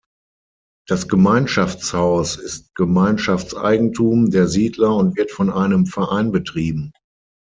Das Gemeinschaftshaus ist Gemeinschaftseigentum der Siedler und wird von einem Verein betrieben.